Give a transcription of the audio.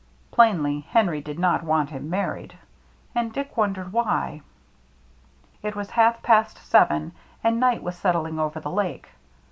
Plainly Henry did not want him married, and Dick wondered why. It was half past seven, and night was set tling over the Lake.